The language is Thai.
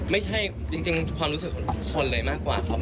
ไม่ใช่จริงความรู้สึกของทุกคนเลยมากกว่าครับ